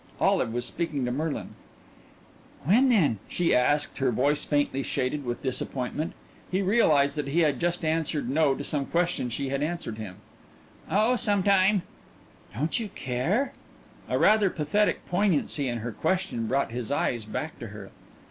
Olive was speaking to Merlin "When, then?" she asked, her voice faintly shaded with disappointment. He realized that he had just answered no to some question she had asked him. "Oh, sometime." "Don't you care?" A rather pathetic poignancy in her question brought his eyes back to her.